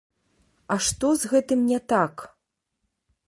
А што з гэтым не так?